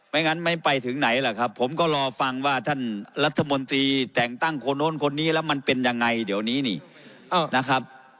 งั้นไม่ไปถึงไหนล่ะครับผมก็รอฟังว่าท่านรัฐมนตรีแต่งตั้งคนโน้นคนนี้แล้วมันเป็นยังไงเดี๋ยวนี้นี่นะครับ